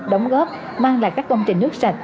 đóng góp mang lại các công trình nước sạch